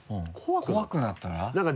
怖くなったら？